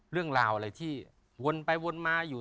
เรื่องราวอะไรที่วนไปวนมาอยู่